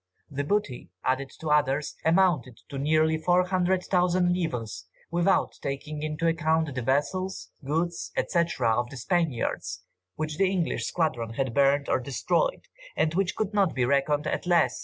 This booty, added to others, amounted to nearly 400,000_l_, without taking into account the vessels, goods, &c., of the Spaniards which the English squadron had burnt or destroyed, and which could not be reckoned at less than 600,000_l_.